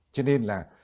cho nên là